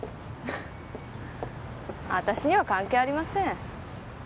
私には関係ありません。